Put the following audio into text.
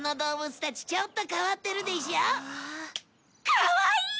かわいい！